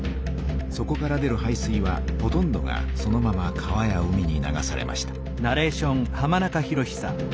そこから出る排水はほとんどがそのまま川や海に流されました。